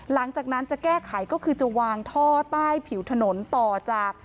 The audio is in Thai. หลังจากนั้นจะแก้ไขก็คือจะวางท่อใต้ผิวถนนต่อจาก